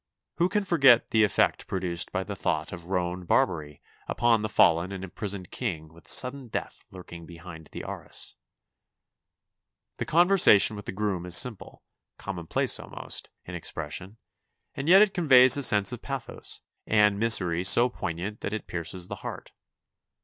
Who can forget the effect produced by the thought of Roan Barbary upon the fallen and imprisoned king with sudden death lurking behind the arras ? The conversation with the groom is simple, commonplace almost, in expression, and yet it con veys a sense of pathos and misery so poignant that it pierces the heart.